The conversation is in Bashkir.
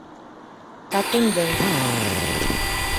Ҡатындың: